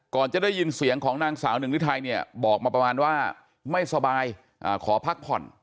จะได้ยินเสียงของนางสาวหนึ่งฤทัยเนี่ยบอกมาประมาณว่าไม่สบายขอพักผ่อน